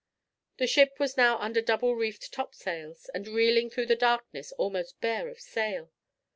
The ship was now under double reefed topsails, and reeling through the darkness almost bare of sail.